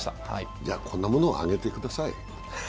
じゃあ、こんなものをあげてください。